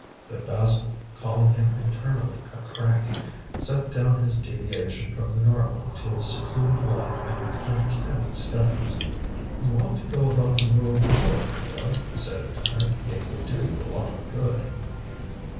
But Basil, calling him internally a crank, set down his deviation from the normal to his secluded life and uncanny studies. "You ought to go about the world more, Theo," he said at dinner. "It would do you a lot of good."